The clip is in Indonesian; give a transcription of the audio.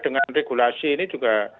dengan regulasi ini juga